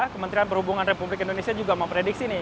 kementerian perhubungan republik indonesia juga memprediksi nih